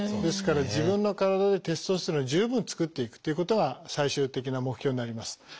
ですから自分の体でテストステロンを十分作っていくっていうことが最終的な目標になります。